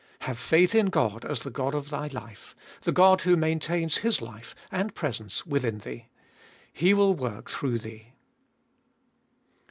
Have faith in God as the God of thy life, the God who maintains His life and pre sence within thee He will work through thee.